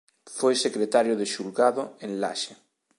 Foi secretario de Xulgado en Laxe.